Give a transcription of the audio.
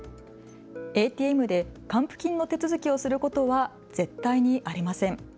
ＡＴＭで還付金の手続きをすることは絶対にありません。